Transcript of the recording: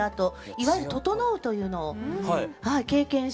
いわゆる「ととのう」というのを経験して。